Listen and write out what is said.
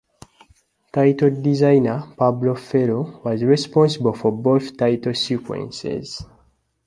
Title designer Pablo Ferro was responsible for both title sequences.